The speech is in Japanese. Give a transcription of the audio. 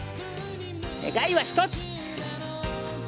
願いは一つ。